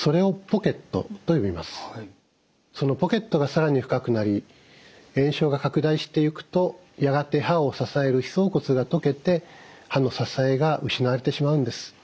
そのポケットが更に深くなり炎症が拡大していくとやがて歯を支える歯槽骨が溶けて歯の支えが失われてしまうんです。